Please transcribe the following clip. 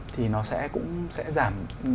thì nó cũng sẽ giảm